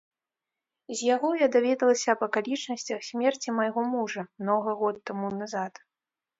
З яго я даведалася аб акалічнасцях смерці майго мужа многа год таму назад.